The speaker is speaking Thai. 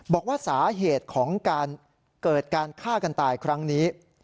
บอกว่าสาเหตุของการเกิดการฆ่ากันตายครั้งนี้